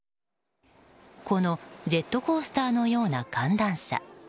このジェットコースターのような寒暖差。